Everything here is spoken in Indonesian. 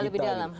iya lebih dalam